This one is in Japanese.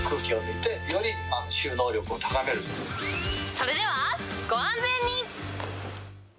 それでは、ご安全に！